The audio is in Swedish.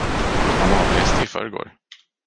Han avreste i förrgår.